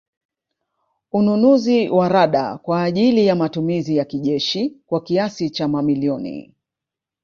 Ununuzi wa Rada kwa ajili ya matumizi ya kijeshi kwa kiasi cha mamilioni